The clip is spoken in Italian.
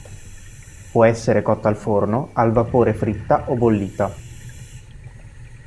Può essere cotta al forno, al vapore fritta o bollita.